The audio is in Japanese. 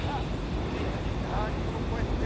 いいな人の声って。